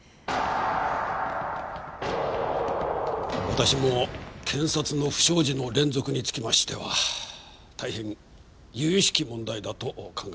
私も検察の不祥事の連続につきましては大変由々しき問題だと考えております。